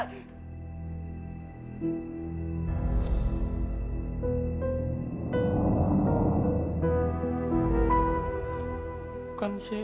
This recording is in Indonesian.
kau kan sena